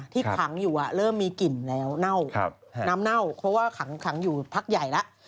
ที่ขังอยู่เริ่มมีกลิ่นแล้วเน่าน้ำเน่าเพราะว่าขังอยู่พักใหญ่แล้ว